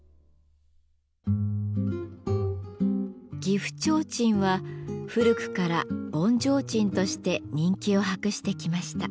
岐阜提灯は古くから盆提灯として人気を博してきました。